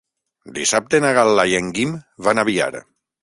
Dissabte na Gal·la i en Guim van a Biar.